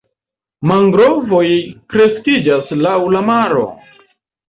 Mangrovoj kreskiĝas laŭ la maro.